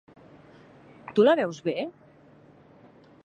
Tu la veus bé?